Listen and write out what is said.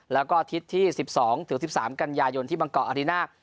แล้วก็อาทิตย์ที่๑๒๑๓กันยายนที่บางเกาะอาริน่า